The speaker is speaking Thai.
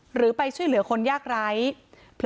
หรือไปช่วยเหลือคนยากไร้